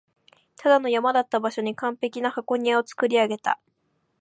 ただの山だった場所に完璧な箱庭を造り上げた